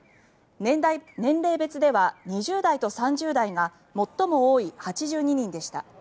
年代別では２０代と３０代が最も多い８２人でした。